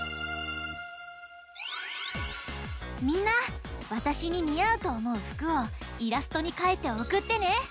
みんなわたしににあうとおもうふくをイラストにかいておくってね！